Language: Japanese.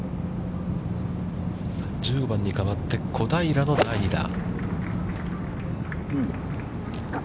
１５番に変わって、小平の第２打。